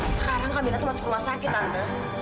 sekarang kak mila tuh masuk rumah sakit tante